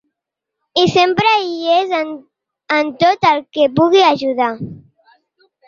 I sempre hi és en tot el que pugui ajudar.